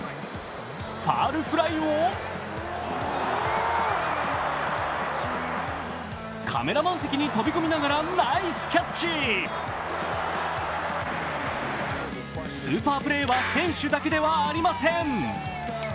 ファウルフライをカメラマン席に飛び込みながらナイスキャッチスーパープレーは選手だけではありません。